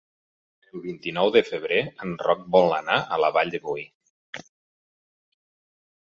El vint-i-nou de febrer en Roc vol anar a la Vall de Boí.